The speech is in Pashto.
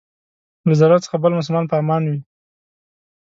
له ضرر څخه بل مسلمان په امان وي.